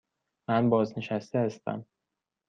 من بازنشسته هستم.